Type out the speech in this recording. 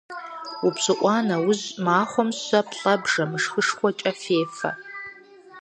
УпщӀыӀуа нэужь махуэм щэ-плӀэ бжэмышхышхуэкӀэ фефэ.